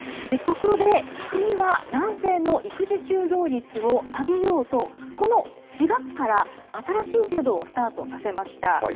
そこで、国は男性の育児休業率を上げようと、この４月から新しい制度をスタートさせました。